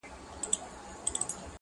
د بحث په تاثر کې